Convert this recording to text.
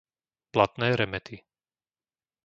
Blatné Remety